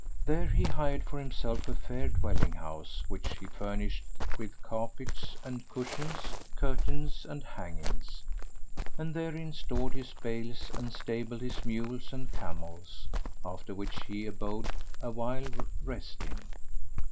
There he hired for himself a fair dwelling house which he furnished with carpets and cushions, curtains and hangings; and therein stored his bales and stabled his mules and camels, after which he abode a while resting.